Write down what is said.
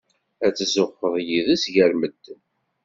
Ad tzuxxeḍ yis-s gar medden.